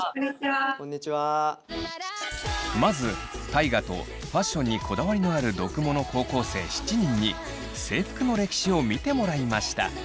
まず大我とファッションにこだわりのある読モの高校生７人に制服の歴史を見てもらいました。